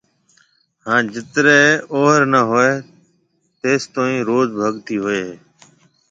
ھان جِترَي اوھر نِي ھوئيَ تيستوئين روز ڀگتي ھوئيَ ھيََََ